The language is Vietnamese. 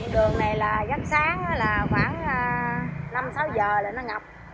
đường này là gắt sáng khoảng năm sáu giờ là nó ngập